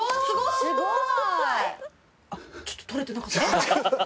すごい！